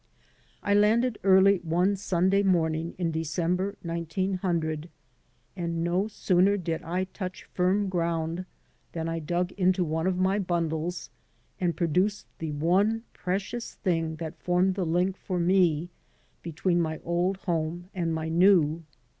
I landed early one Sunday morning in December, 1900; and no sooner did I touch firm ground than I dug into one of my bundles and produced the one precious thing that formed the link for me between my old home and my new.